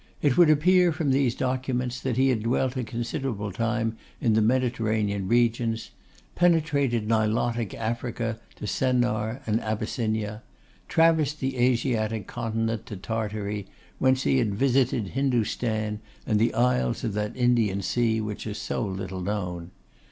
It would appear from these documents that he had dwelt a considerable time in the Mediterranean regions; penetrated Nilotic Africa to Sennaar and Abyssinia; traversed the Asiatic continent to Tartary, whence he had visited Hindostan, and the isles of that Indian Sea which are so little known.